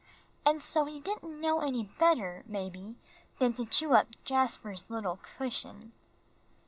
"And so he didn't know any better, maybe, than to chew up Jasper's little cushion."